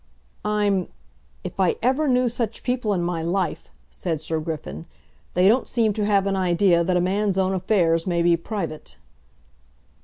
"I'm if I ever knew such people in my life!" said Sir Griffin. "They don't seem to have an idea that a man's own affairs may be private."